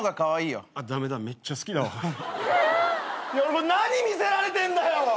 いや何見せられてんだよ！